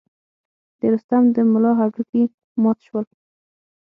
د رستم د ملا هډوکي مات شول.